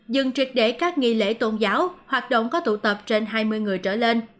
dừng triệt để các nghi lễ tôn giáo hoạt động có tụ tập trên hai mươi người trở lên